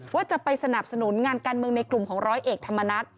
ว่าจะไปสนับสนุนงานการเมืองในกลุ่มของร้อยเอกธรรมนัฐ